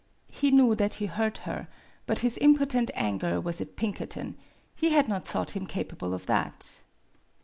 He knew that he hurt her, but his impotent anger was at Pinkerton; he had not thought him capable of that.